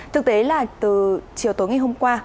thực tế là từ chiều tối ngày hôm qua